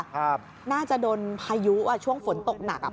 น่าจะโดนพายุอ่ะช่วงฝนตกหนักอ่ะ